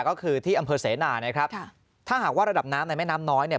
ก็คือที่อำเภอเสนานะครับค่ะถ้าหากว่าระดับน้ำในแม่น้ำน้อยเนี่ย